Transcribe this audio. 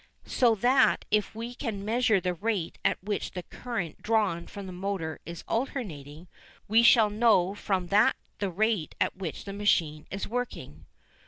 So that if we can measure the rate at which the current drawn from the motor is alternating, we shall know from that the rate at which the machine is working.